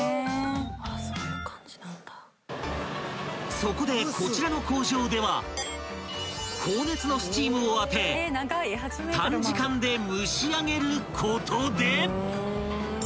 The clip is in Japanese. ［そこでこちらの工場では高熱のスチームを当て短時間で蒸し上げることで］